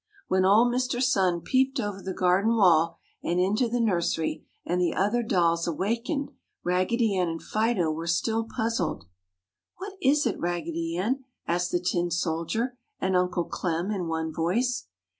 When old Mister Sun peeped over the garden wall and into the nursery, and the other dolls awakened, Raggedy Ann and Fido were still puzzled. "What is it, Raggedy Ann?" asked the tin soldier and Uncle Clem, in one voice.